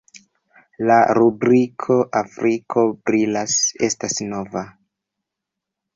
La rubriko "Afriko brilas" estas nova.